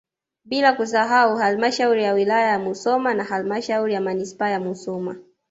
Bila kusahau halmashauri ya wilaya ya Musoma na halmashauri ya manispaa ya Musoma